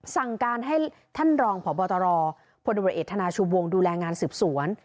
สั่งการให้ท่านรองผบตรพอธนาชูบวงดูแลงานสืบสวน